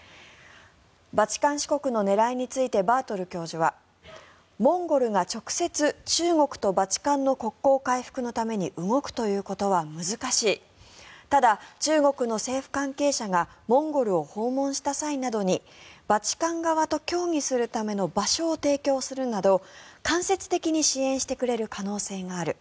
バチカン市国の狙いについてバートル教授はモンゴルが直接中国とバチカンの国交回復のために動くということは難しいただ、中国の政府関係者がモンゴルを訪問した際などにバチカン側と協議するための場所を提供するなど間接的に支援してくれる可能性がある。